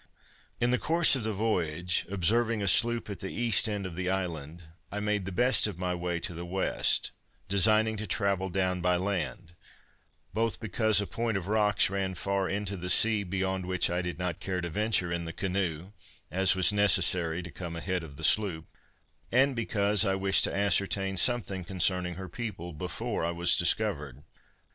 In the course of the voyage, observing a sloop at the east end of the island, I made the best of my way to the west, designing to travel down by land, both because a point of rocks ran far into the sea, beyond which I did not care to venture in the canoe, as was necessary to come a head of the sloop, and because I wished to ascertain something concerning her people before I was discovered.